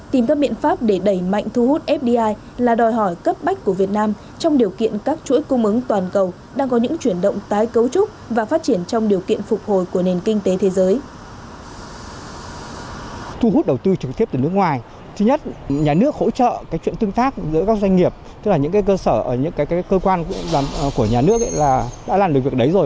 tìm các biện pháp để đẩy mạnh thu hút fdi là đòi hỏi cấp bách của việt nam trong điều kiện các chuỗi cung ứng toàn cầu đang có những chuyển động tái cấu trúc và phát triển trong điều kiện phục hồi của nền kinh tế thế giới